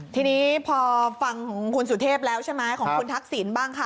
ทีนี้พอฟังของคุณสุเทพแล้วใช่ไหมของคุณทักษิณบ้างค่ะ